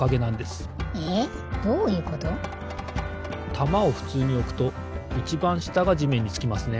たまをふつうにおくといちばんしたがじめんにつきますね。